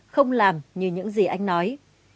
không làm như những gì anh nói